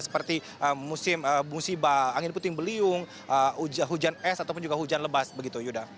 seperti musim musibah angin puting beliung hujan es ataupun juga hujan lebas begitu yuda